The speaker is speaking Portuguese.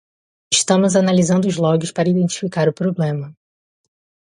Estamos analisando os logs para identificar o problema.